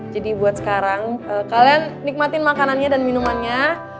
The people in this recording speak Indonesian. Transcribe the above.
jadi buat sekarang kalian nikmatin makanannya dan minumannya